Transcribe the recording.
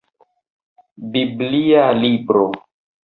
Biblia libro.